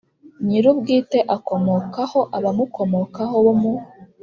Nyir ubwite akomokaho abamukomokaho bo mu